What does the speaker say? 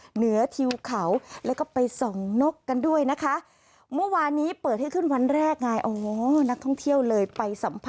เหนือทิวเขาแล้วก็ไปส่องนกกันด้วยนะคะ